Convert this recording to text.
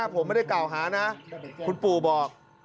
ผมไม่ได้กล่าวหานะคุณปู่บอก